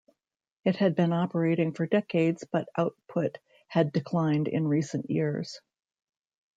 It had been operating for decades but output had declined in recent years.